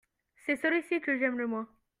c'est celui-ci que j'aime le moins.